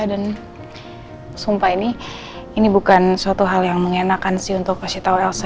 dan sumpah ini bukan suatu hal yang mengenakan sih untuk kasih tau elsa